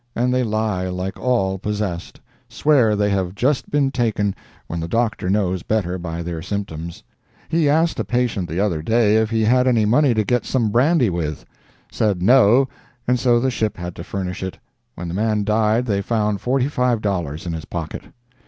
And they lie like all possessed—swear they have just been taken, when the doctor knows better by their symptoms. He asked a patient the other day if he had any money to get some brandy with?—said 'no,' and so the ship had to furnish it—when the man died they found forty five dollars in his pocket.